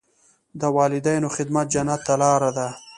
د والدینو خدمت جنت ته لاره ده.